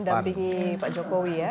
mendampingi pak jokowi ya